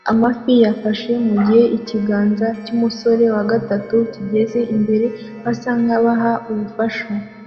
amafi bafashe mugihe ikiganza cyumusore wa gatatu kigeze imbere basa nkabaha ubufasha